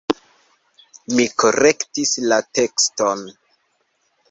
Mi korektis la tekston.